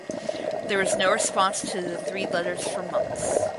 There was no response to the three letters for months.